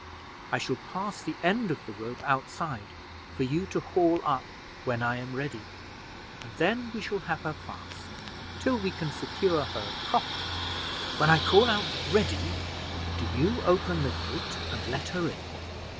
I shall pass the end of the rope outside for you to haul up when I am ready, and then we shall have her fast, till we can secure her properly. When I call out Ready, do you open the gate and let her in.